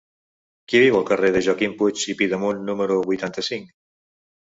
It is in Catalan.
Qui viu al carrer de Joaquim Puig i Pidemunt número vuitanta-cinc?